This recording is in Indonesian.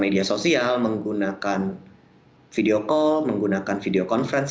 media sosial menggunakan video call menggunakan video conference